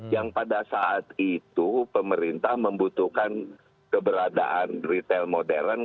yang pada saat itu pemerintah membutuhkan keberadaan retail modern